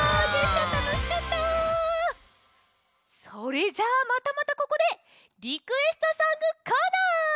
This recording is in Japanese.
それじゃあまたまたここで「リクエストソングコーナー」！